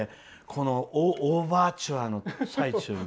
このオーバーチュアの最中に。